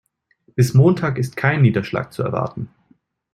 Bis Montag ist kein Niederschlag zu erwarten.